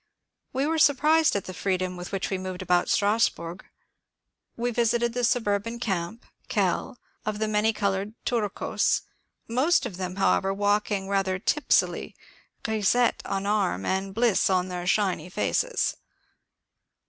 We were surprised at the freedom with which we moved about Strasburg. We visited the suburban camp (Kehl) of the many coloured Turcos, most of them, however, walking rather tipsily, grisettes on arm and bliss on their shiny faces.